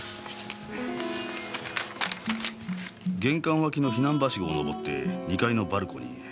玄関脇の避難ばしごを登って２階のバルコニーへ。